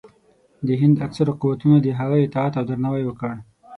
د هند اکثرو قوتونو د هغه اطاعت او درناوی وکړ.